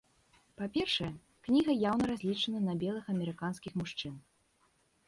Па-першае, кніга яўна разлічана на белых амерыканскіх мужчын.